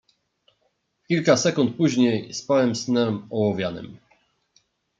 "I w kilka sekund później spałem snem ołowianym."